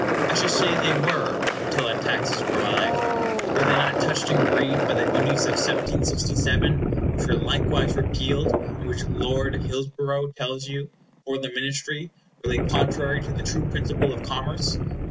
I shall say they were, until that tax is revived. Were they not touched and grieved by the duties of 1767, which were likewise repealed, and which Lord Hillsborough tells you, for the Ministry, were laid contrary to the true principle of commerce?